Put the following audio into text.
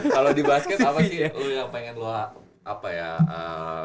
kalau di basket apa sih lo yang pengen lo apa ya